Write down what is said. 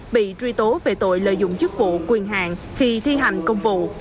bị truy tố về tội lợi dụng chức vụ quyền hạn khi thi hành công vụ